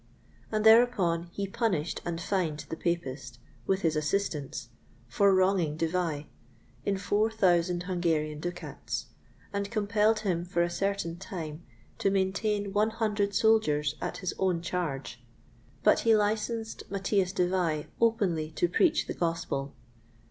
And thereupon he punished and fined the Papist, with his assistants, for wronging De Vai, in four thousand Hungarian ducats, and compelled him for a certain time to maintain one hundred soldiers at his own charge; but he licensed Matthias de Vai openly to preach the Gospel.